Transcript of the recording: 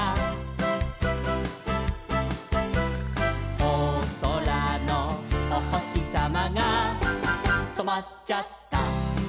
「おそらのおほしさまがとまっちゃった」